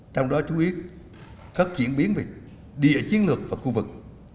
trong đó chú ý các chuyển biến về địa chiến lược và khu vực